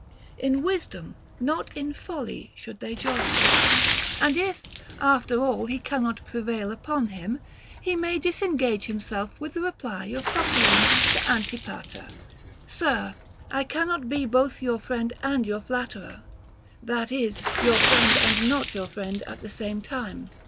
In wisdom, not in folly, should they join. And if. after all, he cannot prevail upon him, he may dis engage himself with the reply of Phocion to Anti pater ; Sir, I cannot be both your friend and your flatterer, — that is, Your friend and not your friend at the same time.